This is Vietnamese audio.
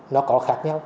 nó có khác nhau